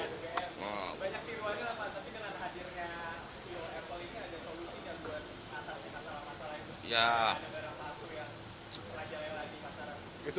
biasanya keadaan hadirnya apple ini ada solusinya buat atas masalah masalah itu